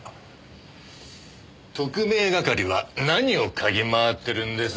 特命係は何を嗅ぎ回ってるんです？